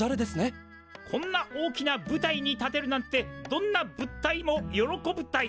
こんな大きな舞台に立てるなんてどんな物体もヨロコブタイ！